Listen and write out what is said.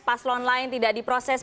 paslon lain tidak di proses